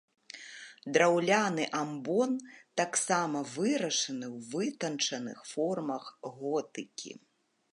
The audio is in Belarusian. Драўляны амбон таксама вырашаны ў вытанчаных формах готыкі.